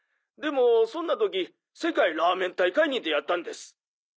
「でもそんな時世界拉麺大会に出会ったんです」